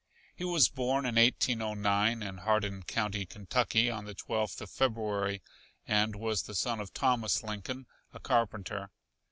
He was born in 1809, in Hardin County, Kentucky, on the Twelfth of February, and was the son of Thomas Lincoln, a carpenter.